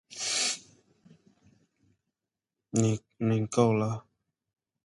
There are currently seven magistrates' courts in Hong Kong.